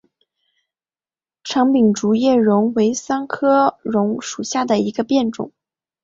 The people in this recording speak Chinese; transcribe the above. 长柄竹叶榕为桑科榕属下的一个变种。